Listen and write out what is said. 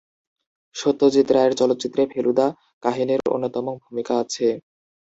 সত্যজিৎ রায়ের চলচ্চিত্রে ফেলুদা কাহিনীর অন্যতম ভূমিকা আছে।